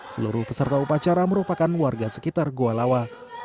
seluruh peserta upacara merupakan warga sekitar goa lawa